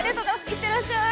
行ってらっしゃい！